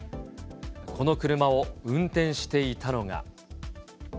この車を運転していたのが。